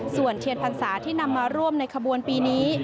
ส่วนเทียนพรรษาที่นำมาร่วมในขบวนปีนี้